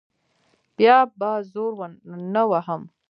بیا به زور نه وهم.